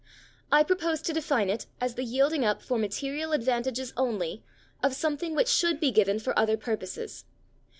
I propose to define it as the yielding up for material advantages only of something which should be given for other purposes.